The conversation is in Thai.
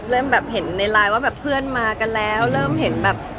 เริ่มแบบเห็นในไลน์ว่าแบบเพื่อนมากันแล้วเริ่มเห็นแบบ